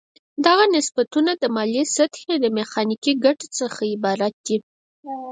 دغه نسبتونه د مایلې سطحې د میخانیکي ګټې څخه عبارت دي.